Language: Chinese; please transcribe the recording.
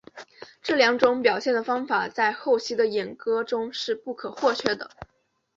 这两种表现的方法在后期的演歌中是不可或缺的。